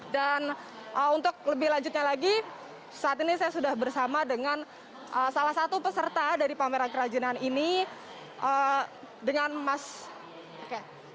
dan untuk lebih lanjutnya lagi saat ini saya sudah bersama dengan salah satu peserta dari pameran kerajinan ini dengan mas yofi